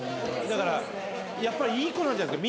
だからやっぱりいい子なんじゃないですか。